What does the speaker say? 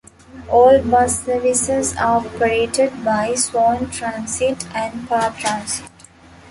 All bus services are operated by Swan Transit and Path Transit.